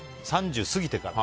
３０過ぎてから。